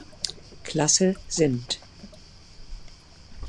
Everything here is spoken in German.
Klasse sind.